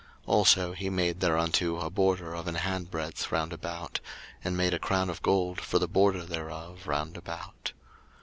02:037:012 Also he made thereunto a border of an handbreadth round about; and made a crown of gold for the border thereof round about.